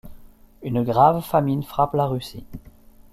Une grave famine frappe la Russie.